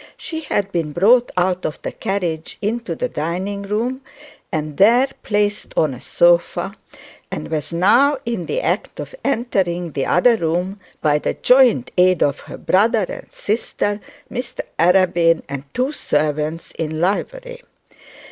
She had been brought out of the carriage into the dining room and there placed on a sofa, and was now in the act of entering the other room, by the joint aid of her brother and sister, Mr Arabin, and two servants in livery.